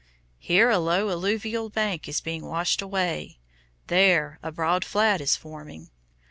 Here a low alluvial bank is being washed away, there a broad flat is forming.